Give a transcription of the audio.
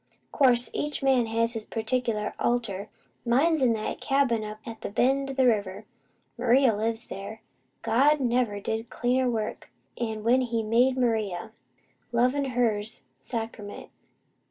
"Course, each man has his particular altar. Mine's in that cabin up at the bend o' the river. Maria lives there. God never did cleaner work, 'an when He made Maria. Lovin, her's sacrament.